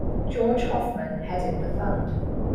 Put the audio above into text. George Hoffman headed the fund.